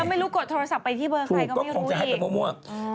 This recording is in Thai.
ก็ไม่รู้กดโทรศัพท์ไปที่เบอร์ใครก็ไม่รู้ดิ